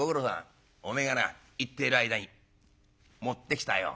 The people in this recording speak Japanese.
お前がな行っている間に持ってきたよ